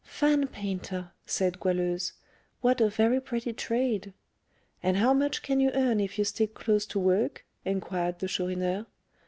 "Fan painter!" said Goualeuse, "what a very pretty trade!" "And how much can you earn if you stick close to work?" inquired the Chourineur.